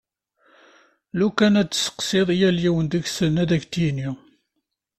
Lukan ad tesseqsiḍ yal yiwen deg-sen ad ak-d-yini.